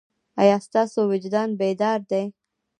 ایا ستاسو وجدان بیدار دی؟